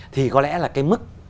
thì có lẽ là cái mức